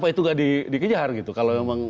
itu nggak dikejar gitu kalau emang